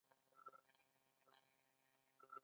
زړه د بدن تر ټولو مهم عضوي غړی دی.